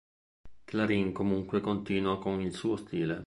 Clarín comunque continua con il suo stile.